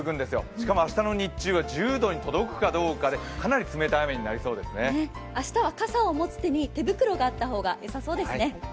しかも明日の日中は１０度に届くかどうか、かなり寒くなりそうですね明日は傘を持つ手に手袋があった方がよさそうですね。